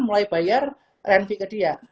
mulai bayar renv ke dia